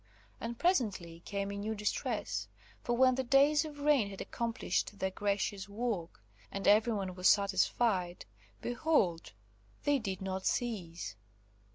And presently came a new distress; for when the days of rain had accomplished their gracious work, and every one was satisfied, behold, they did not cease.